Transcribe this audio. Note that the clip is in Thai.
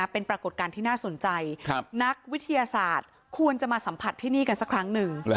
เป็นปรากฏการณ์ที่น่าสนใจนักวิทยาศาสตร์ควรจะมาสัมผัสที่นี่กันสักครั้งหนึ่ง